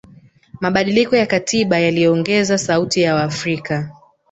mabadiliko ya katiba yaliongeza sauti ya waafrika